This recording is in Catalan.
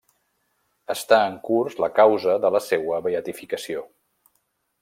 Està en curs la causa de la seua beatificació.